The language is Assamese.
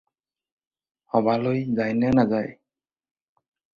সবাহলৈ যায়নে নেযায়?